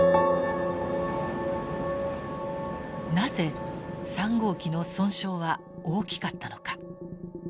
なぜ３号機の損傷は大きかったのか。